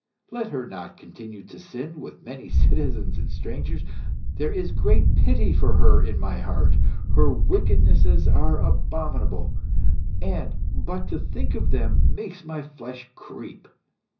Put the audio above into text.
Let her not continue to sin with many citizens and strangers. There is great pity for her in my heart. Her wickednesses are abominable, and but to think of them makes my flesh creep.